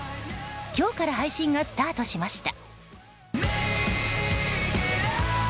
今日から配信がスタートしました。